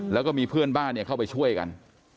แล้วก็มีเพื่อนบ้านเข้าไปช่วยกัน